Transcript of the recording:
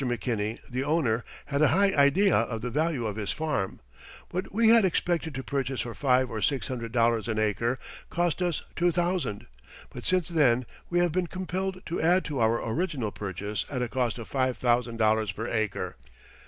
McKinney, the owner, had a high idea of the value of his farm. What we had expected to purchase for five or six hundred dollars an acre cost us two thousand. But since then we have been compelled to add to our original purchase at a cost of five thousand dollars per acre.